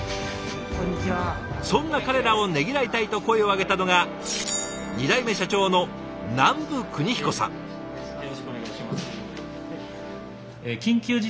そんな彼らをねぎらいたいと声を上げたのが２代目社長の社長発案の「社員感謝デー」。